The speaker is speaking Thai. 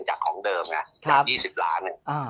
จากของเดิมไงจาก๒๐ล้าน